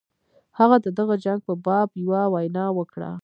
هغه د دغه جنګ په باب یوه وینا وکړه.